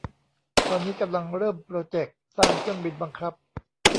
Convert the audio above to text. ตอนนี้กำลังเริ่มโปรเจกต์สร้างเครื่องบินบังคับ